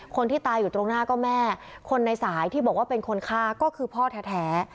คนที่ตายอยู่ตรงหน้าก็แม่คนในสายที่บอกว่าเป็นคนฆ่าก็คือพ่อแท้